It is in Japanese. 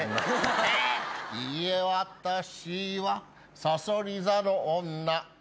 「いいえ私はさそり座の女」